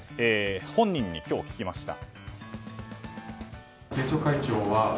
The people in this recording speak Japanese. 本人に今日、聞きました。